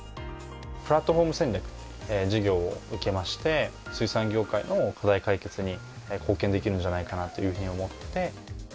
プラットフォーム戦略っていう授業を受けまして水産業界の課題解決に貢献できるんじゃないかなというふうに思って。